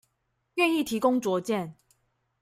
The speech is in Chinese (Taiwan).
願意提供卓見